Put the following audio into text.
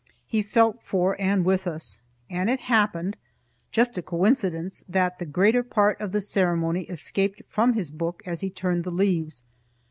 He felt for and with us, and it happened just a coincidence that the greater part of the ceremony escaped from his book as he turned the leaves.